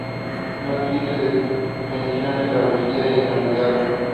No existe una definición establecida e inamovible.